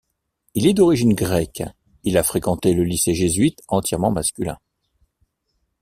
Il est d'origine grecque Il a fréquenté le lycée jésuite entièrement masculin.